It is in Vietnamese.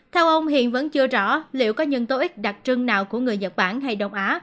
theo ông hiện vẫn chưa rõ liệu có nhân tố ích đặc trưng nào của người nhật bản hay đông á